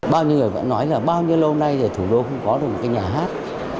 bao nhiêu người vẫn nói là bao nhiêu lâu nay rồi thủ đô không có được một cái nhà hát